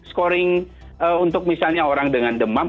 scoring untuk misalnya orang dengan demam